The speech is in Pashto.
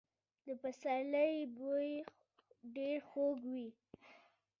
د پسرلي بوی ډېر خوږ وي.